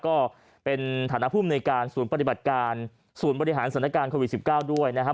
ก็เป็นฐานภูมิในการศูนย์ปฏิบัติการศูนย์บริหารสถานการณ์โควิด๑๙ด้วยนะครับ